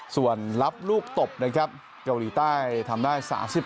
ส่วนรับลูกตบนะครับเกาหลีใต้ทำได้๓๑